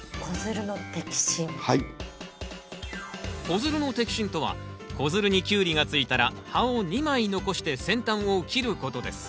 子づるの摘心とは子づるにキュウリがついたら葉を２枚残して先端を切ることです。